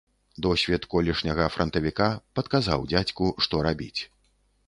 Досвед колішняга франтавіка падказаў дзядзьку, што рабіць.